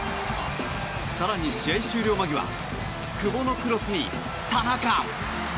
更に試合終了間際久保のクロスに田中！